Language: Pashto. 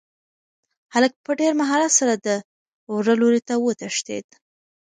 هلک په ډېر مهارت سره د وره لوري ته وتښتېد.